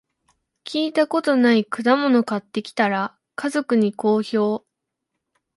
聞いたことない果物買ってきたら、家族に好評